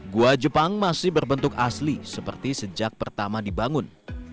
gua jepang masih berbentuk asli seperti sejak pertama dibangun